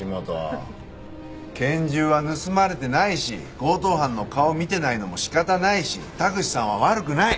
拳銃は盗まれてないし強盗犯の顔を見てないのも仕方ないし田口さんは悪くない。